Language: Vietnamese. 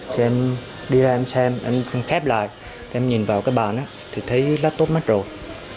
thì em đi ra em xem em khép lại em nhìn vào cái bàn thì thấy lát tốt mắt rồi